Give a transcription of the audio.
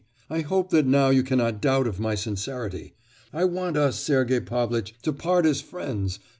I hope that now you cannot doubt of my sincerity... I want us, Sergei Pavlitch, to part as friends...